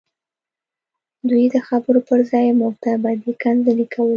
دوی د خبرو پرځای موږ ته بدې کنځلې کولې